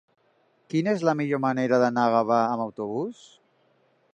Quina és la millor manera d'anar a Gavà amb autobús?